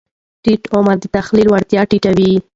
ټیټ عمر د تحلیل وړتیا ټیټه وي.